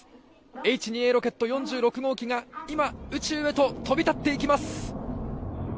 Ｈ２Ａロケット４６号機が今、宇宙へと飛び立っていきます。